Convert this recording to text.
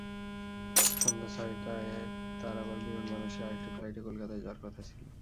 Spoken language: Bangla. সন্ধ্যা ছয়টার তাঁর আবার বিমান বাংলাদেশের আরেকটি ফ্লাইটে কলকাতায় যাওয়ার কথা ছিল।